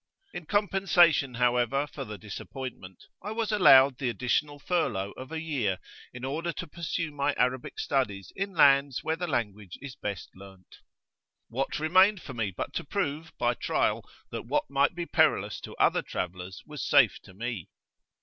In compensation, however, for the disappointment, I was allowed the additional furlough of a year, in order to pursue my Arabic studies in lands where the language is best learned. What remained for me but to prove, by trial, that what might be perilous to other travellers was safe to me?